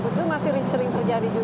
itu masih sering terjadi juga